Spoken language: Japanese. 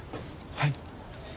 はい。